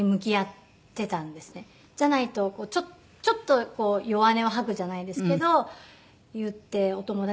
じゃないとちょっと弱音を吐くじゃないですけど言ってお友達